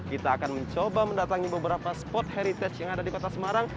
kita akan mencoba mendatangi beberapa spot heritage yang ada di kota semarang